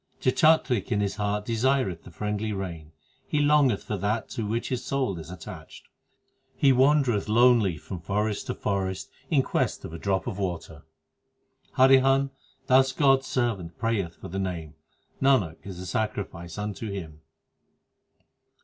ii The chatrik in his heart desireth the friendly rain, And longeth for that to which his soul is attached. He wandereth lonely from forest to forest in quest of a drop of water. Harihan, thus God s servant prayeth for the Name ; Nanak is a sacrifice unto him.